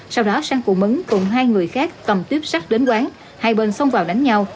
sau đó sang cù mứng cùng hai người khác tầm tiếp sắc đến quán hai bên xông vào đánh nhau